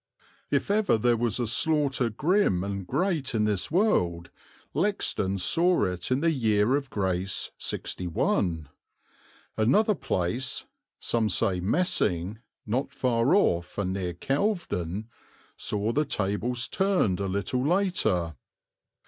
If ever there was slaughter grim and great in this world, Lexden saw it in the year of grace 61. Another place, some say Messing, not far off and near Kelvedon, saw the tables turned a little later.